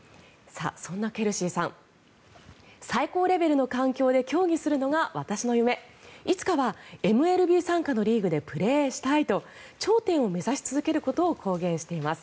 そんなケルシーさん最高レベルの環境で競技するのが私の夢いつかはＭＬＢ傘下のリーグでプレーしたいと頂点を目指し続けることを公言しています。